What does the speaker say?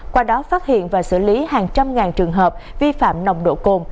qua đó phát hiện và xử lý hàng trăm ngàn trường hợp vi phạm nồng độ cồn